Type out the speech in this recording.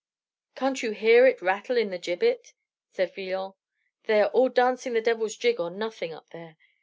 "Can't you hear it rattle in the gibbet?" said Villon. "They are all dancing the devil's jig on nothing, up there.